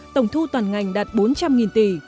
tổng thu toàn ngành đạt bốn trăm linh tỷ